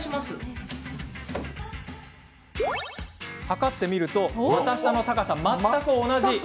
測ってみると股下の高さは全く同じ。